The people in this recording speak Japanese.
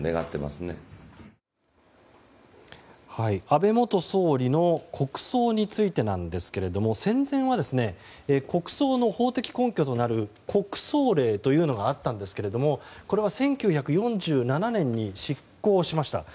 安倍元総理の国葬についてなんですが戦前は国葬の法的根拠となる国葬令というのがあったんですがこれは１９４７年に失効しました。